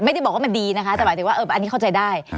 ไม่ได้บอกว่ามันดีนะคะแต่หมายถึงว่าอันนี้เข้าใจได้